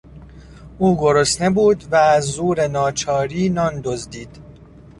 او گرسنه بود و از زور ناچاری نان دزدید.